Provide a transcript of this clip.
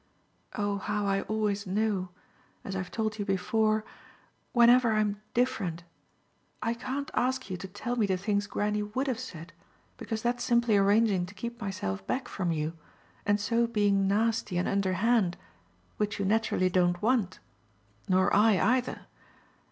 Oh how I always know as I've told you before whenever I'm different! I can't ask you to tell me the things Granny WOULD have said, because that's simply arranging to keep myself back from you, and so being nasty and underhand, which you naturally don't want, nor I either.